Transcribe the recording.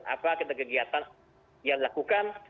apa ketergiatan yang dilakukan